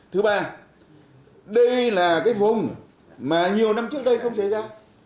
thứ ba đây là cái vùng mà nhiều năm trước đây không xảy ra